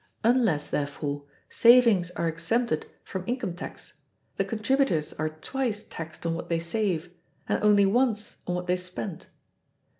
Unless, therefore, savings are exempted from income tax, the contributors are twice taxed on what they save, and only once on what they spend.